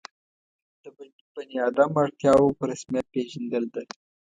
د بني آدم اړتیاوو په رسمیت پېژندل ده.